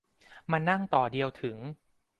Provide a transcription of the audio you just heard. มันนั่งต่อเดียวถึง